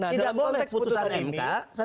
tidak boleh putusan mk